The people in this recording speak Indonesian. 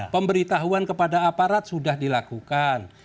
pemberitahuan kepada aparat sudah dilakukan